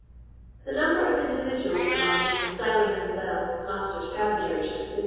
The number of individuals in London styling themselves Master Scavengers is 34.